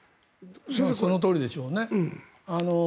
このとおりでしょうね。